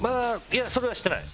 いやそれはしてない。